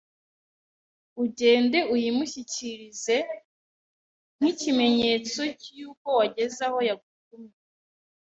Ugende uyimushyikirize kie nk’ikimenyetso y’uko wageze aho yagutumye